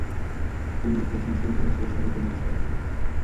পুরুষবেশী শৈল আসিয়া সকলকে নমস্কার করিল।